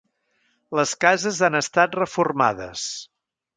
Les cases han estat reformades.